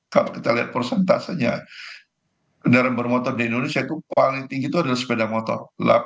kalau kita lihat prosentasenya kendaraan bermotor di indonesia itu paling tinggi itu adalah sepeda motor